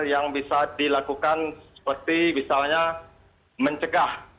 yang bisa dilakukan seperti misalnya mencegah